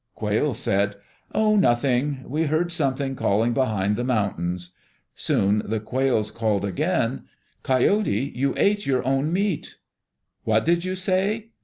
Quails said, "Oh, nothing. We heard something calling behind the mountains." Soon the quails called again: "Coyote, you ate your own meat." "What did you say?"